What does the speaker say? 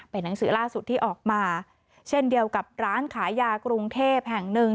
เป็นหนังสือล่าสุดที่ออกมาเช่นเดียวกับร้านขายยากรุงเทพแห่งหนึ่ง